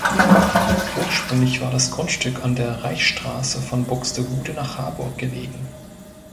Ursprünglich war das Grundstück an der Reichsstraße von Buxtehude nach Harburg gelegen.